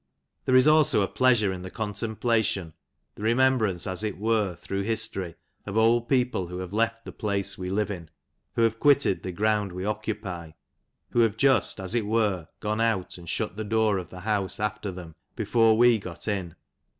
There is also a pleasure in the contemplation, the remembi ance, as it were, through history, of old people who have left the place we live in, who have quitted the ground we occupy, who have just, as it were, gone out and shut the door of the house after tliem, before we got in.